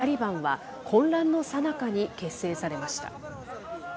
武装勢力タリバンは、混乱のさなかに結成されました。